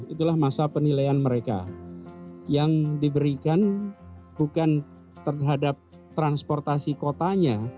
itulah masa penilaian mereka yang diberikan bukan terhadap transportasi kotanya